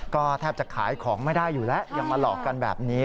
ก็แทบจะขายของไม่ได้อยู่แล้วยังมาหลอกกันแบบนี้